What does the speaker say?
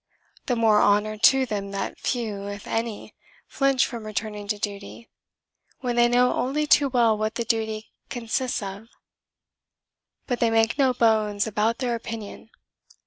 The more honour to them that few, if any, flinch from returning to duty when they know only too well what that duty consists of. But they make no bones about their opinion.